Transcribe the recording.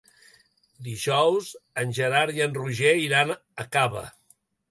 Dijous en Gerard i en Roger iran a Cava.